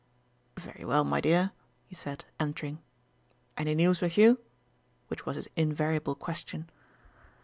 "Very well, my dear," he said, entering. "Any news with you?" which was his invariable question.